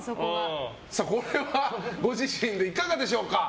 これはご自身でいかがでしょうか。